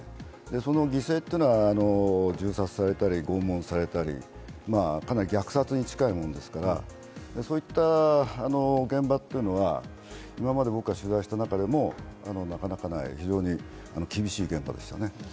その犠牲は銃殺されたり拷問されたり、かなり虐殺に近いものですから、そういった現場は、今まで僕が取材した中でも、なかなかない非常に厳しい現場でしたね。